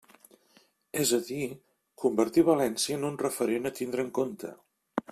És a dir, convertir València en un referent a tindre en compte.